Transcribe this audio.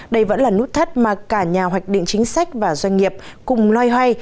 đây vẫn là nút thắt mà cả nhà hoạch định chính sách và doanh nghiệp cùng loay hoay